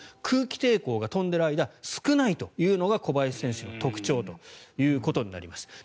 空気抵抗が飛んでいる間少ないというのが小林選手の特徴ということになります。